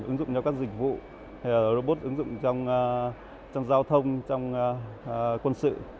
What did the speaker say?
ứng dụng cho các dịch vụ robot ứng dụng trong giao thông trong quân sự